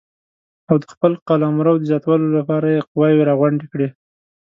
او د خپل قلمرو د زیاتولو لپاره یې قواوې راغونډې کړې.